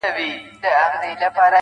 نو په سندرو کي به تا وينمه.